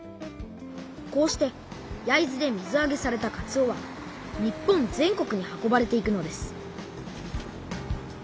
こうして焼津で水あげされたかつおは日本全国に運ばれていくのです